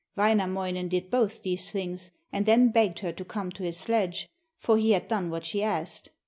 Wainamoinen did both these things, and then begged her to come to his sledge, for he had done what she asked.